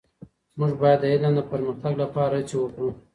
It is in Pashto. موږ باید د علم د پرمختګ لپاره هڅې وکړو.